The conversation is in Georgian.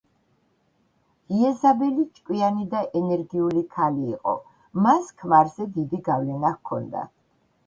იეზაბელი ჭკვიანი და ენერგიული ქალი იყო, მას ქმარზე დიდი გავლენა ჰქონდა.